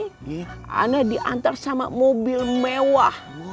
saya diantar dengan mobil mewah